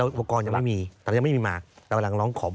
แล้วความเหนื่อยระเนี่ยมันจะมากกว่าเดินปกติตั้งเท่าไหร่